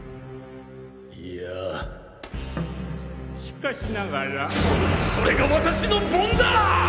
いやしかしながらそれが私の盆だ！！